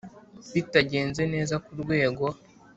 Bitagenze neza ku rwego